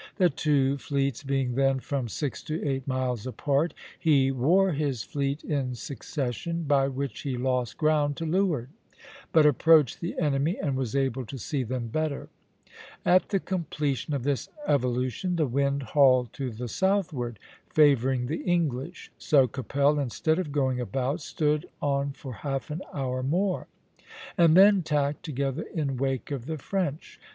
The two fleets being then from six to eight miles apart, he wore his fleet in succession (French A to B), by which he lost ground to leeward, but approached the enemy, and was able to see them better (Positions B, B, B). At the completion of this evolution the wind hauled to the southward, favoring the English; so Keppel, instead of going about, stood on for half an hour more (English B to C), and then tacked together in wake of the French.